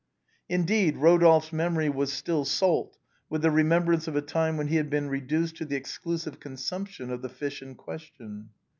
Indeed, Rodolphe's memory was still salt with the remembrance of a time when he had been reduced to the exclusive consumption of the fish in question.